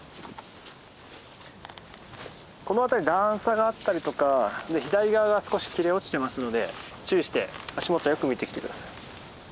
この辺り段差があったりとか左側が少し切れ落ちてますので注意して足元をよく見て来て下さい。